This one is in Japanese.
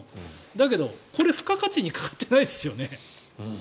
だけどこれ、付加価値にかかってないですよね。